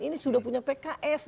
ini sudah punya pks